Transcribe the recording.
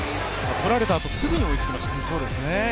取られたあと、すぐに追いつきました。